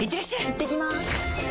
いってきます！